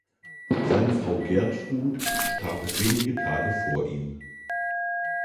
Seine Frau Gertrud starb wenige Tage vor ihm.